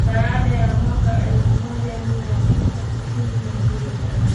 Baada ya mwaka elfu moja mia tisa tisini na mbili